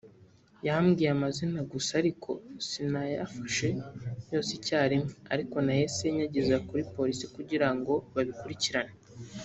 “yambwiye amazina gusa ariko sinayafashe yose icya rimwe ariko nahise nyageza kuri Polisi kugirango babikurikirane”